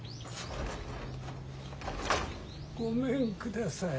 ・・ごめんください。